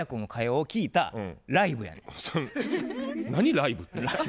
ライブって？